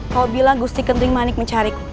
kau bilang gusti kenting manik mencari